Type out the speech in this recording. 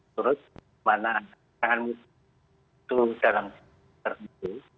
turut mana tangan mutu dalam terhenti